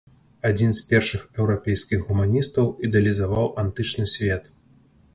Адзін з першых еўрапейскіх гуманістаў ідэалізаваў антычны свет.